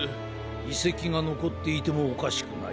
いせきがのこっていてもおかしくない。